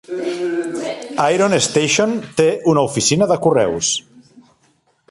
Iron Station té una oficina de correus.